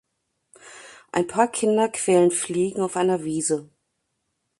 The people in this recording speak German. Ein paar Kinder quälen Fliegen auf einer Wiese.